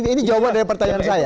ini jawaban dari pertanyaan saya